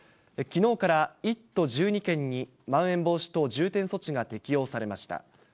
きのうから１都１２県に、まん延防止等重点措置が適用されました。